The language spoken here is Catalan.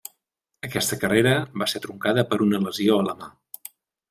Aquesta carrera va ser truncada per una lesió a la mà.